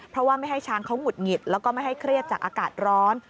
เพราะว่าไม่ให้ช้างเขาหงุดหงิดแล้วก็ไม่ให้เครียดจากอากาศร้อน